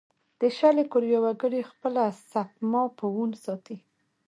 د شلي کوریا وګړي خپله سپما په وون ساتي.